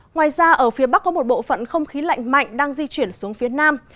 ngoài ra ở phía bắc có một bộ phận không khí lạnh mạnh đang di chuyển xuống phía nam